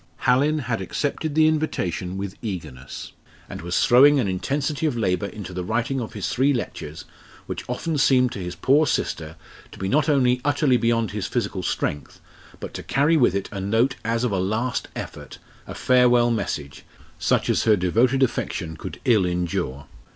Hallin had accepted the invitation with eagerness, and was throwing an intensity of labour into the writing of his three lectures which often seemed to his poor sister to be not only utterly beyond his physical strength, but to carry with it a note as of a last effort, a farewell message, such as her devoted affection could ill endure.